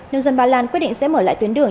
nông dân ba lan quyết định sẽ mở lại tuyến đường